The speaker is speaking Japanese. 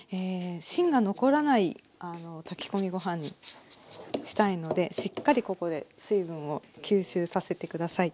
芯が残らない炊き込みご飯にしたいのでしっかりここで水分を吸収させて下さい。